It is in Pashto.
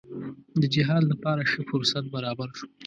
د جهاد لپاره ښه فرصت برابر شو.